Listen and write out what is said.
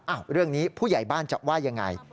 เรื่องนี้ผู้ใหญ่บ้านจะว่ายังไง